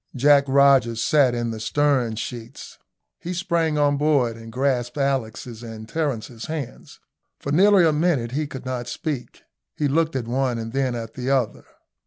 Jack Rogers sat in the stern sheets. He sprang on board and grasped Alick's and Terence's hands. For nearly a minute he could not speak. He looked at one and then at the other.